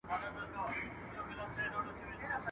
چي یې زړه شي په هغه اور کي سوځېږم.